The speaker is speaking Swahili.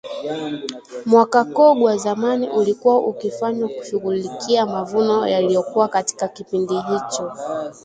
Mwaka kogwa zamani ulikuwa ukifanywa kushughulikia mavuno yalivyokuwa katika kipindi hicho